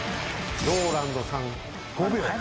ＲＯＬＡＮＤさん５秒。